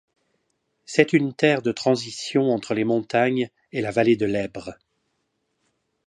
C'est une terre de transition entre les montagnes et la vallée de l'Ébre.